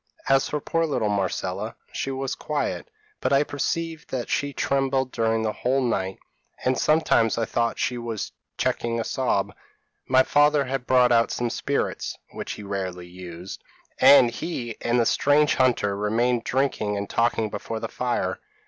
As for poor little Marcella, she was quiet, but I perceived that she trembled during the whole night, and sometimes I thought that she was checking a sob. My father had brought out some spirits, which he rarely used, and he and the strange hunter remained drinking and talking before the fire.